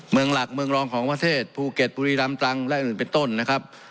เมืองหลักเมืองรองของประเทศภูเก็ตบุรีรำตรังและอื่นเป็นต้นนะครับ